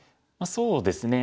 そうですね。